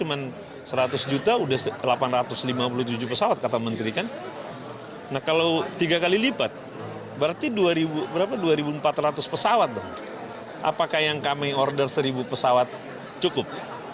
apakah yang kami order seribu pesawat cukup